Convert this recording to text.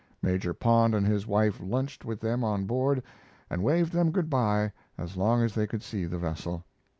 Major Pond and his wife lunched with them on board and waved them good by as long as they could see the vessel.